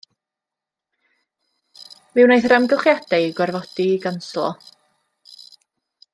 Mi wnaeth yr amgylchiadau eu gorfodi i ganslo.